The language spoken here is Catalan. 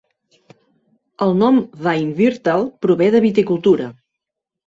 El nom Weinviertel prové de viticultura.